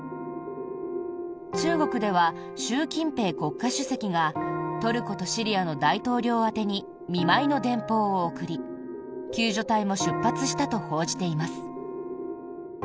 中国では習近平国家主席がトルコとシリアの大統領宛てに見舞いの電報を送り救助隊も出発したと報じています。